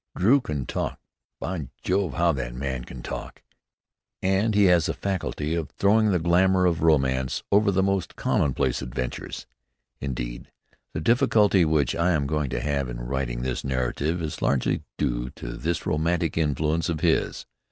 Drew can talk by Jove, how the man can talk! and he has the faculty of throwing the glamour of romance over the most commonplace adventures. Indeed, the difficulty which I am going to have in writing this narrative is largely due to this romantic influence of his.